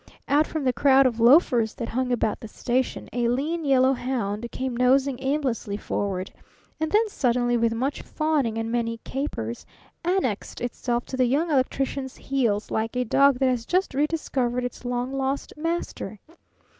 Out from the crowd of loafers that hung about the station a lean yellow hound came nosing aimlessly forward, and then suddenly, with much fawning and many capers, annexed itself to the Young Electrician's heels like a dog that has just rediscovered its long lost master.